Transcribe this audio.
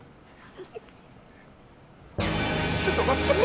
ちょっと待って。